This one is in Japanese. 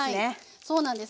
はいそうなんです。